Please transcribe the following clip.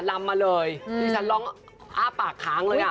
ลำมาเลยที่ฉันร้องอ้าปากค้างเลยอ่ะ